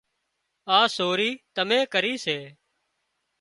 آ سوري تمين ڪري سي